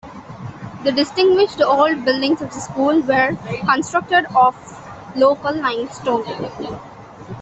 The distinguished old buildings of the school were constructed of local limestone.